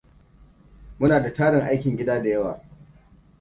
Muna da tarin aikin gida da yawa.